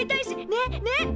ねっねっ！